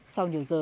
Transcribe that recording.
sau nhiều giờ